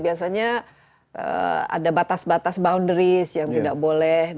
biasanya ada batas batas boundaries yang tidak boleh